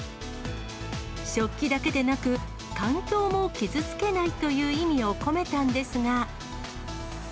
食器だけでなく、環境も傷つけないという意味を込めたんですが。